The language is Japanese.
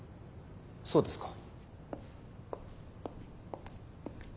そうですか。